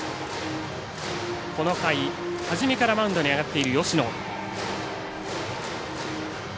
この回初めからマウンドに上がっている芳野。